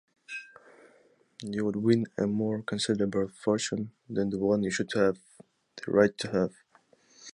You would win a more considerable fortune than the one you should have the right to have.